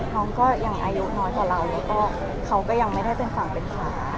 น้องก็อายุน้อยกว่าเราคือก็ยังไม่ได้เป็นฝั่งเป็นขา